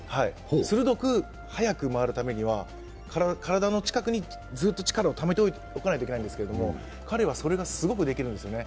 鋭く速く回るためには体の近くにずっと力をためておかないといけないんですけど、彼はそれがすごくできるんですね。